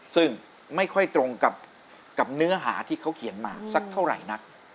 ซึ่งไม่ค่อยตรงกับเนื้อหาที่เขาเขียนมาสักเท่าไหร่นัก